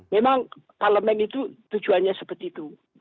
memang parlemen itu tujuannya seperti itu